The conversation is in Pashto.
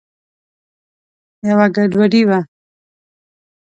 یوه ګډوډي وه.